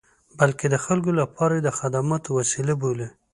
بلکې د خلکو لپاره یې د خدماتو وسیله بولي.